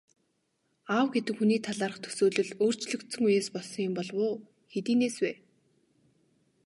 Аав гэдэг хүний талаарх төсөөлөл өөрчлөгдсөн үеэс болсон юм болов уу, хэдийнээс вэ?